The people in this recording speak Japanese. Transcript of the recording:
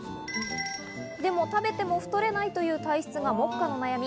でも食べても太れないという体質が目下お悩み。